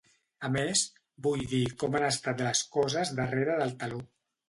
A més, vull dir com han estat les coses darrere del teló.